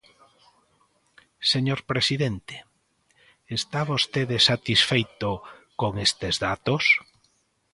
Señor presidente, ¿está vostede satisfeito con estes datos?